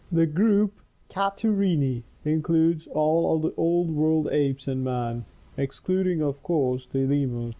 The group Catarrhini includes all of the Old World apes and man, excluding of course the lemurs.